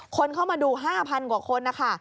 คนเข้ามาดู๕๐๐กว่าคนนะคะ